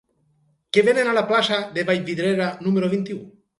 Què venen a la plaça de Vallvidrera número vint-i-u?